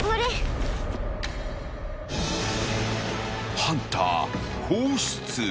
［ハンター放出。